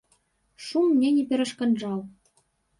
Шум мне не перашкаджаў.